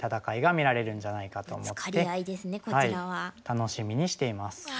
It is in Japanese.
楽しみにしています。